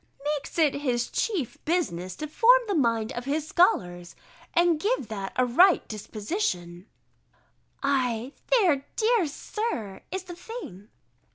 _] "makes it his chief business to form the mind of his scholars, and give that a right disposition:" [_Ay, there, dear Sir, is the thing!